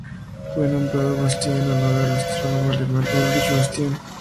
Fue nombrado Bastian en honor al astrónomo alemán Ulrich Bastian.